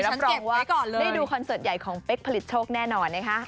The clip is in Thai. ได้ดูคอนเสิร์ตใหญ่ของเป๊กผลิตโชคแน่นอนนะคะ